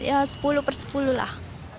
ya sepuluh persepuluh